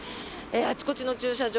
あちこちの駐車場